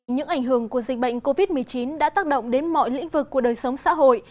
những ảnh hưởng của dịch bệnh covid một mươi chín đã tác động đến mọi lĩnh vực của đời sống xã hội